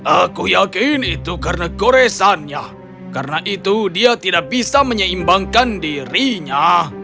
aku yakin itu karena goresannya karena itu dia tidak bisa menyeimbangkan dirinya